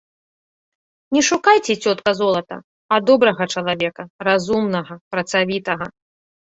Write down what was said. Не шукайце, цётка, золата, а добрага чалавека, разумнага, працавітага.